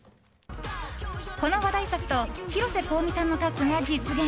この話題作と広瀬香美さんのタッグが実現。